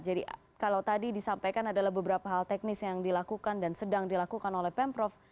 jadi kalau tadi disampaikan adalah beberapa hal teknis yang dilakukan dan sedang dilakukan oleh pemprov